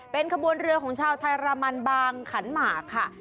เป็นขบวนเรือของชาวไทยรามันบางขันหมากค่ะ